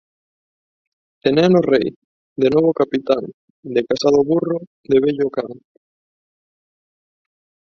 De neno, rei; de novo, capitán; de casado, burro; de vello, can.